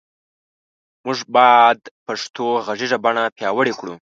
مونږ باد پښتو غږیزه بڼه پیاوړی کړو